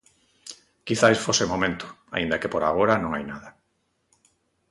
Quizais fose o momento, aínda que por agora non hai nada.